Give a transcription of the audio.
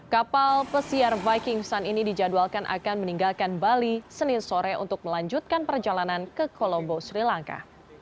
kapal pesiar viking sun ini dijadwalkan akan meninggalkan bali senin sore untuk melanjutkan perjalanan ke kolombo sri lanka